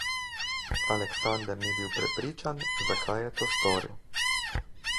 Aleksander ni bil prepričan, zakaj je to storil.